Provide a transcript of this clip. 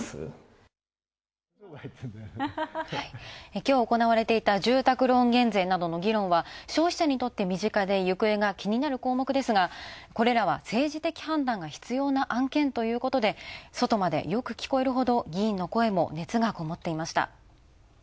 きょう行われていた住宅ローン減税などの議論は消費者にとって身近で行方が気になる項目ですがこれらは政治的判断が必要な案件ということで外までよく聞こえるほど議員の声も熱がこもっていました。